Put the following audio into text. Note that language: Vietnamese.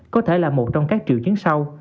có thể là một trong các triệu chứng sau